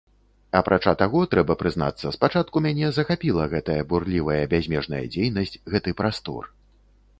Апрача таго, трэба прызнацца, спачатку мяне захапіла гэтая бурлівая, бязмежная дзейнасць, гэты прастор.